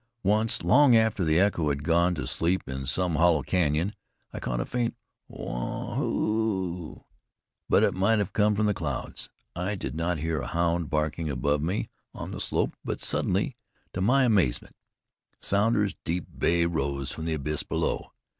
Once, long after the echo had gone to sleep in some hollow canyon, I caught a faint "Wa a ho o o!" But it might have come from the clouds. I did not hear a hound barking above me on the slope; but suddenly, to my amazement, Sounder's deep bay rose from the abyss below.